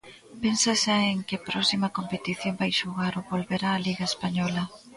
Pensa xa en que próxima competición vai xogar ou volverá á Liga española?